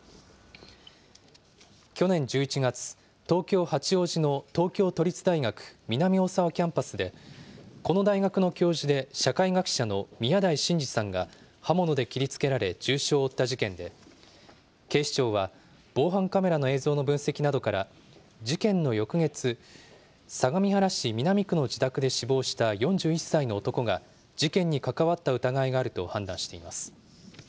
去年１１月、東京・八王子の東京都立大学南大沢キャンパスで、この大学の教授で社会学者の宮台真司さんが、刃物で切りつけられ、重傷を負った事件で、警視庁は、防犯カメラの映像の分析などから、事件の翌月、相模原市南区の自宅で死亡した４１歳の男が、事件に関わった疑いがあると判断しています。